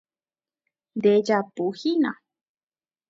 Ndejapuhína.